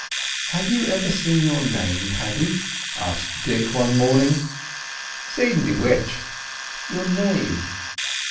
"Have you ever seen your name, Paddy?" asked Dick one morning. "Seen me which?" "Your name?"